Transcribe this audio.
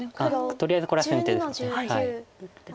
とりあえずこれは先手です。